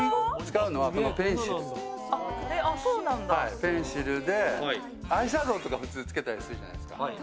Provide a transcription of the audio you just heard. ペンシルでアイシャドウとか普通つけたりするじゃないですか。